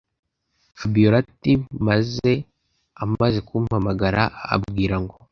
fabiora ati”maze amaze kumpamagara abwira ngo